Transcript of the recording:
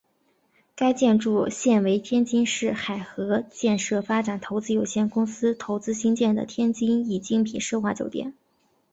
该建筑现为天津市海河建设发展投资有限公司投资兴建的天津易精品奢华酒店。